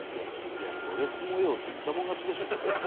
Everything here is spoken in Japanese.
いやドレス模様って言った者勝ちでしょこれ。